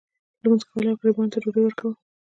لمونځ کول او غریبانو ته ډوډۍ ورکول.